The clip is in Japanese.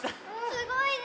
すごいね。